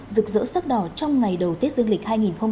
rực rỡ sắc đỏ trong ngày đầu tết dương lịch hai nghìn hai mươi